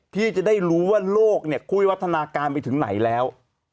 พี่จะได้รู้ว่าโลกเนี่ยคุยวัฒนาการไปถึงไหนแล้ว